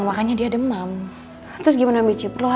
kemarin lagi buka lagi mulutnya